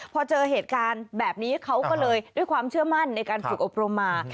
พอเจอเหตุการณ์แบบนี้เขาก็เลยด้วยความเชื่อมั่นในการฝึกอบรมมา